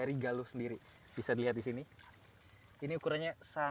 ini adalah bentuknya